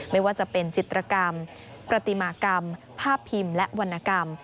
ไม่ว่าจะเป็นจิตรกรรมประติมากรรมภาพพิมพ์และวรรณกรรม